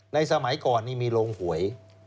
สมัยก่อนนี่มีโรงหวย